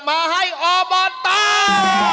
มาให้อบอต้า